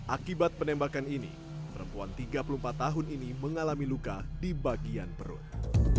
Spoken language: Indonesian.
akibat penembakan ini perempuan tiga puluh empat tahun ini mengalami luka di bagian perut